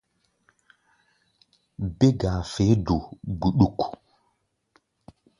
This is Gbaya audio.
Bé-ga̧a̧ feé do gbuɗuk.